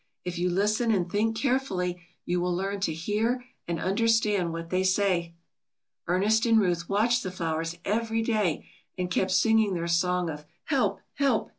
If you listen and think carefully, you will learn to hear and understand what they say." Ernest and Ruth watched the flowers every day and kept singing their song of "Help! help!